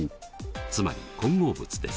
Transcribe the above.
つまり混合物です。